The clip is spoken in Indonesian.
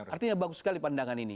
artinya bagus sekali pandangan ini